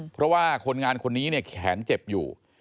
เพราะว่าคนงานคนนี้เนี่ยแขนเจ็บอยู่